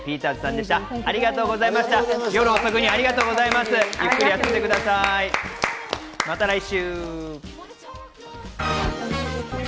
また来週！